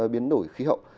biến đổi khí hậu